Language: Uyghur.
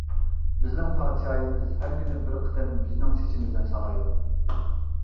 بىزنىڭ پادىشاھىمىز ھەر كۈنى بىر قېتىم بىزنىڭ چېچىمىزنى سانايدۇ.